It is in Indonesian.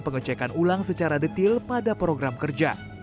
pengecekan ulang secara detil pada program kerja